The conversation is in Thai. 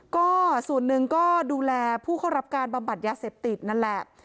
ก็ส่วนหนึ่งก็ดูแลผู้เข้ารับการบำบัดยาเสพติดนั่นแหละ